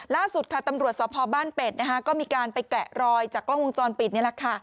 ล่าสุดค่ะตำรวจสพบ้านเป็ดนะคะก็มีการไปแกะรอยจากกล้องวงจรปิดนี่แหละค่ะ